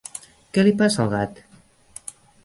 Què li passa al gat?